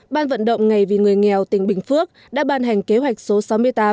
ban vận động ngày vì người nghèo tỉnh bình phước đã ban hành kế hoạch số sáu mươi tám